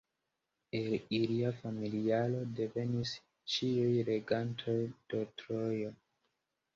El ilia familiaro devenis ĉiuj regantoj de Trojo.